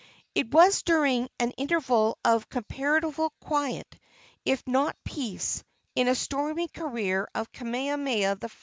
It was during an interval of comparative quiet, if not of peace, in the stormy career of Kamehameha I.